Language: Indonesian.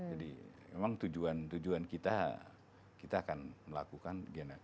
jadi memang tujuan tujuan kita kita akan melakukan